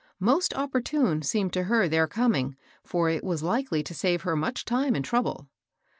Most opportune seemed to her their coming, for it was likely to save her much time and trouble.